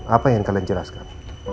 apa yang kalian jelaskan